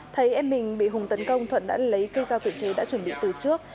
thấy em mình bị hùng tấn công thuận đã lấy cây dao tự chế đã chuẩn bị từ trước